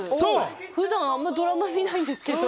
普段ドラマ見ないんですけど。